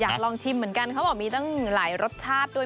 ลองชิมเหมือนกันเขาบอกมีตั้งหลายรสชาติด้วย